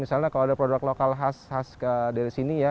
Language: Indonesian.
misalnya kalau ada produk lokal khas dari sini ya